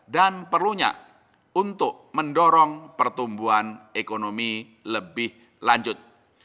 perlunya untuk mendorong pertumbuhan ekonomi lebih lanjut